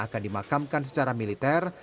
akan dimakamkan secara militer